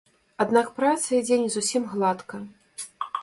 Аднак праца ідзе не зусім гладка.